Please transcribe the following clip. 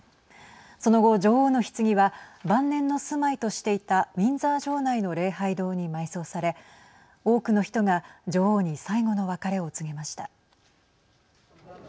その後、女王のひつぎは晩年の住まいとしていたウィンザー城内の礼拝堂に埋葬され多くの人が女王に最後の別れを告げました。